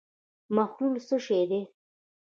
محلول څه شی دی.